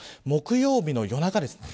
木曜日の夜中です。